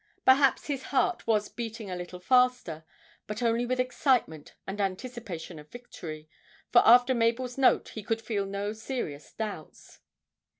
Perhaps his heart was beating a little faster, but only with excitement and anticipation of victory, for after Mabel's note he could feel no serious doubts.